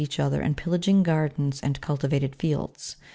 39 each other in pillaging gardens and cultivated fields.